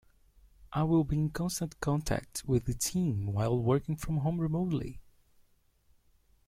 I will be in constant contact with the team while working from home remotely.